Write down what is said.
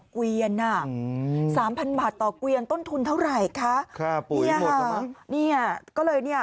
ก็เลยเนี่ย